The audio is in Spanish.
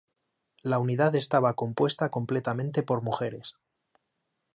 La unidad estaba compuesta completamente por mujeres.